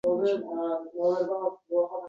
Bu bakteriologik qurolning bir turi bo‘lib, uning